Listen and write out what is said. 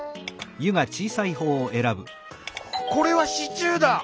「これはシチューだ！」。